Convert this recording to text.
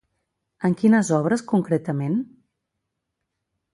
En quines obres concretament?